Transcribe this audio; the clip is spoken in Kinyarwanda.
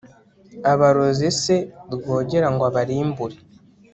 abaroze se rwogera ngo abarimbure